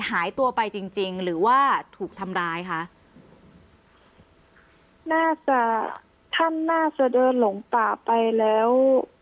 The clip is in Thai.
หายตัวไปจริงจริงหรือว่าถูกทำร้ายคะน่าจะท่านน่าจะเดินหลงป่าไปแล้ว